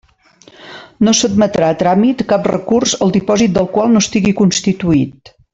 No s'admetrà a tràmit cap recurs el dipòsit del qual no estigui constituït.